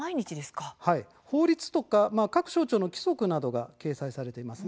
法律とか各省庁の規則などが掲載されています。